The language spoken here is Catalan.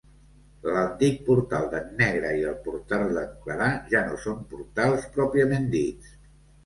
L'antic portal d'en Negre i el portal d'en Clarà ja no són portals pròpiament dits.